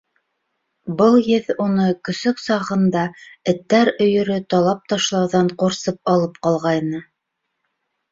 Был еҫ уны көсөк сағында эттәр өйөрө талап ташлауҙан ҡурсып алып ҡалғайны.